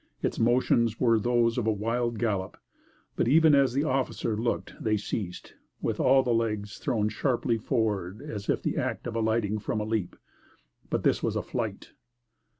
Its motions were those of a wild gallop, but even as the officer looked they ceased, with all the legs thrown sharply forward as in the act of alighting from a leap. But this was a flight!